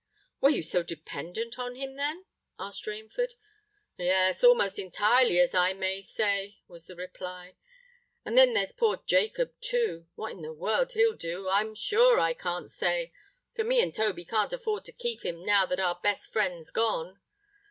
"Were you so dependent on him, then?" asked Rainford. "Yes, almost entirely, as I may say," was the reply. "And then there's poor Jacob, too: what in the world he'll do, I'm sure I can't say—for me and Toby can't afford to keep him now that our best friend's gone.